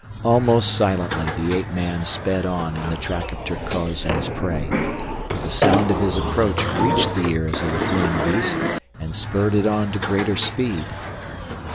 Almost silently the ape man sped on in the track of Terkoz and his prey, but the sound of his approach reached the ears of the fleeing beast and spurred it on to greater speed.